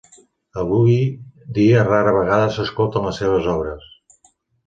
Avui dia rara vegada s'escolten les seves obres.